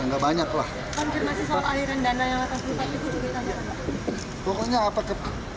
konfirmasi soal aliran dana yang akan ditutupi